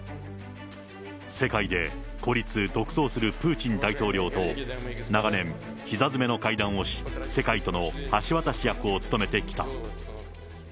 世界で孤立、独走するプーチン大統領と長年、ひざ詰めの会談をし、世界との橋渡し役を務めてきた。